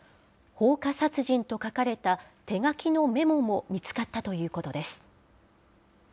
放火殺人と書かれた手書きのメモも見つかったということです。